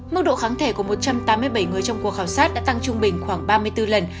mức độ kháng thể của một trăm tám mươi bảy người trong cuộc khảo sát đã tăng trung bình khoảng ba mươi bốn lần